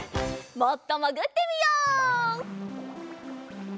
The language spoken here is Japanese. もっともぐってみよう。